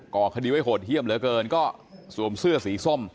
ก่อคดีไว้โหดเยี่ยมเหลือเกินก็สวมเสื้อสีส้ม